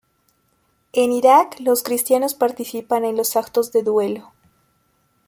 En Irak los cristianos participan en los actos de duelo.